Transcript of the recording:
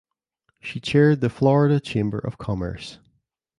She chaired the Florida Chamber of Commerce.